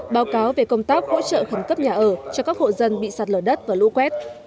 báo cáo về công tác hỗ trợ khẩn cấp nhà ở cho các hộ dân bị sạt lở đất và lũ quét